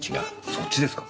そっちですか？